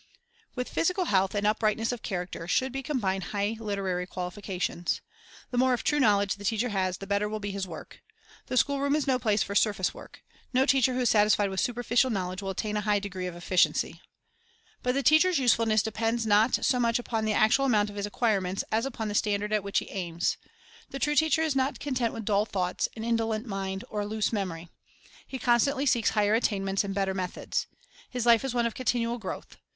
With physical health and uprightness of character should be combined high literary qualifications. The more of true knowledge the teacher has, the better will be his work. The schoolroom is no place for surface work. No teacher who is satisfied with superficial knowledge will attain a high degree of efficiency. But the teacher's usefulness depends not so much upon the actual amount of his acquirements as upon the standard at which he aims. The true teacher is not content with dull thoughts, an indolent mind, or a loose memory. He constantly seeks higher attainments and better methods. His life is one of continual growth.